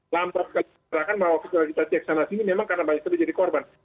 lambat kelihatan bahwa kita cek sana sini memang karena banyak sekali jadi korban